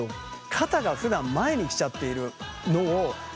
肩がふだん前に来ちゃっているのをある意味